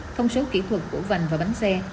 thông số kỹ thuật của vành và bánh xe